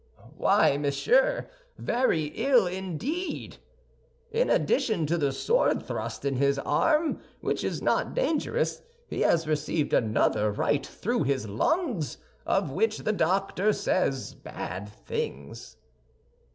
"Why, monsieur, very ill indeed! In addition to the sword thrust in his arm, which is not dangerous, he has received another right through his lungs, of which the doctor says bad things."